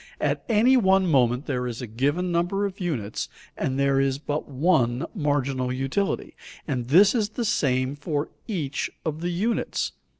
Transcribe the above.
At any one moment there is a given number of units and there is but one marginal utility, and this is the same for each of the units.